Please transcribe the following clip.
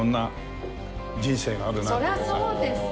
そりゃそうですよ。